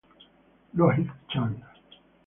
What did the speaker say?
Rohit Chand